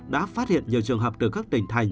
đã phát hiện nhiều trường hợp từ các tỉnh thành